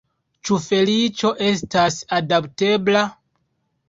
Ĉu feliĉo estas adaptebla?